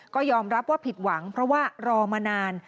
ก็ยอมรับว่าผิดหวังเพราะว่ารอมานาน